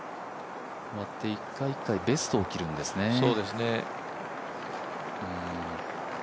一回一回、ベストを着るんですね。